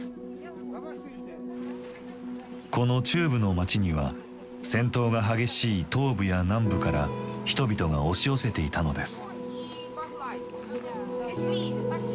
この中部の街には戦闘が激しい東部や南部から人々が押し寄せていたのです。